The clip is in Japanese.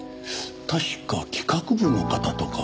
確か企画部の方とか。